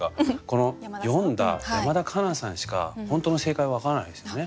この詠んだ山田香那さんしか本当の正解は分からないですよね。